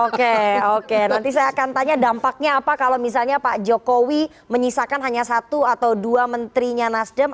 oke oke nanti saya akan tanya dampaknya apa kalau misalnya pak jokowi menyisakan hanya satu atau dua menterinya nasdem